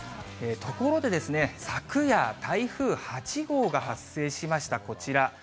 ところで、昨夜、台風８号が発生しました、こちら。